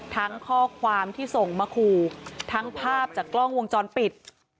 ข้อความที่ส่งมาขู่ทั้งภาพจากกล้องวงจรปิด